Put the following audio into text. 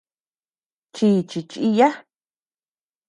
Chichi chiya.